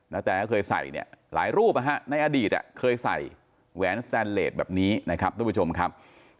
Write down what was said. แตก็เคยใส่เนี่ยหลายรูปในอดีตเคยใส่แหวนสแตนเลสแบบนี้นะครับทุกผู้ชมครับ